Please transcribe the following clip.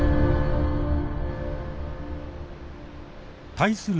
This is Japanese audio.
対する